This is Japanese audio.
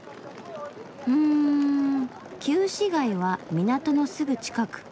うん旧市街は港のすぐ近く。